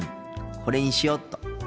これにしよっと。